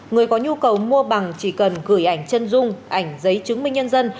người có nhu cầu mua bằng chỉ cần gửi ảnh chân dung ảnh giấy chứng minh nhân dân